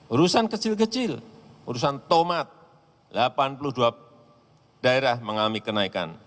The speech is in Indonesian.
urusan kecil kecil urusan tomat delapan puluh dua daerah mengalami kenaikan